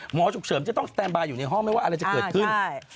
หมอฉุกเฉินจะต้องสแตนบายอยู่ในห้องไม่ว่าอะไรจะเกิดขึ้น